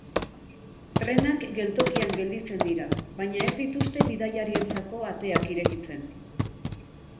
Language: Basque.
Trenak geltokian gelditzen dira, baina ez dituzte bidaiarientzako ateak irekitzen.